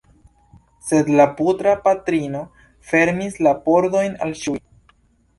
Sed la putra patrino fermis la pordojn al ĉiuj!